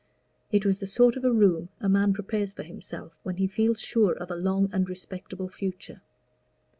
It was the sort of a room a man prepares for himself when he feels sure of a long and respectable future.